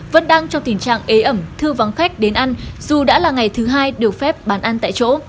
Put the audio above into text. vẫn đang trong tình trạng ế ẩm thưa vắng khách đến ăn dù đã là ngày thứ hai được phép bán ăn tại chỗ